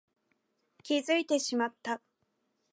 気づいてしまった